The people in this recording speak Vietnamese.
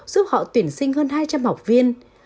giúp họ tuyển sinh hơn hai trăm linh học viên